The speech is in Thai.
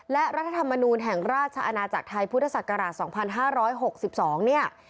และรัฐธรรมนูลแห่งราชอาณาจักรไทยพุทธศักราช๒๕๖๒เนี่ย